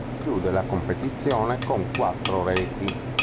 Chiude la competizione con quattro reti.